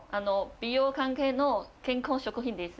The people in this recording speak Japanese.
美容関係の健康食品です。